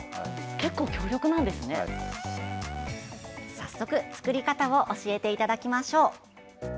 早速、作り方を教えていただきましょう。